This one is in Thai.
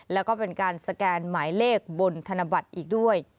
แล้วก็เป็นการสแกนหมายเลขบนธนบัตรอีกด้วย